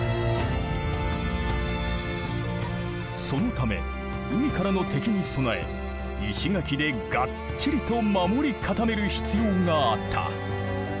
そのため海からの敵に備え石垣でがっちりと守り固める必要があった。